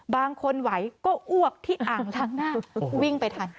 บางคนไหวก็อ้วกที่อ่างล้างหน้าวิ่งไปทัน